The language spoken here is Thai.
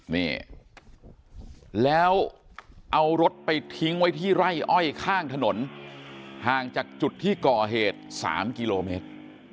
นี่แล้วเอารถไปทิ้งไว้ที่ไร่อ้อยข้างถนนห่างจากจุดที่ก่อเหตุ๓กิโลเมตร